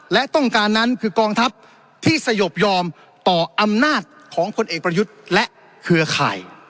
และต้องการนั้นคือกองทัพที่สยบยอมต่ออำนาจของพลเอกประยุทธ์และเครือข่าย